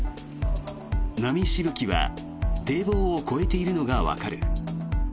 波しぶきは堤防を越えているのがわかる。